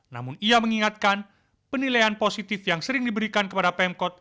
namun ia mengingatkan penilaian positif yang sering diberikan kepada pemkot